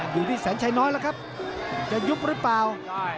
อยู่ที่แสนชัยน้อยแล้วครับ